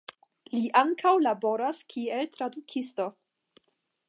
Li ankaŭ laboras kiel tradukisto.